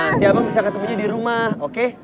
nanti abang bisa ketemunya di rumah oke